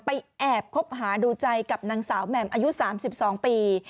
แอบคบหาดูใจกับนางสาวแหม่มอายุ๓๒ปี